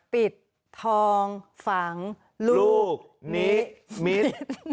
ปิดทองฝังลูกนิมิตร